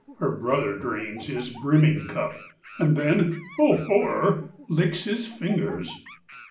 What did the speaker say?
Her brother drains his brimming cup. And then—oh, horror!—licks his fingers!